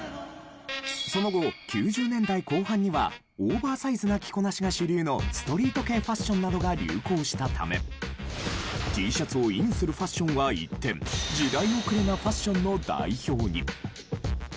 その後９０年代後半にはオーバーサイズな着こなしが主流のストリート系ファッションなどが流行したためＴシャツをインするファッションは一転時代遅れなファッションの代表に。